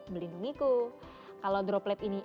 melindungiku kalau droplet ini